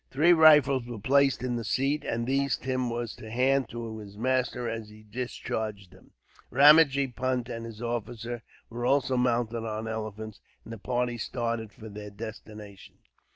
Three rifles were placed in the seat, and these Tim was to hand to his master, as he discharged them. Ramajee Punt and his officer were also mounted on elephants, and the party started for their destination.